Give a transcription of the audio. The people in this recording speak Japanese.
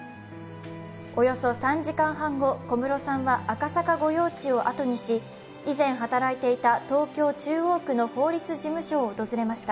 およそ３時間半後、小室さんは赤坂御用地をあとにし、以前働いていた東京・中央区の法律事務所を訪れました。